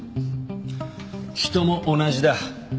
人も同じだ。